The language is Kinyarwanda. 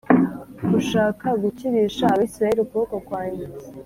ushaka gukirisha Abisirayeli ukuboko kwanjye